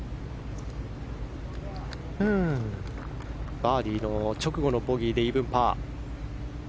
バーディーの直後のボギーでイーブンパー。